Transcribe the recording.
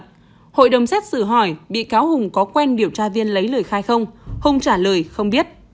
hội đồng xét xử hỏi bị cáo hùng có quen điều tra viên lấy lời khai không hùng trả lời không biết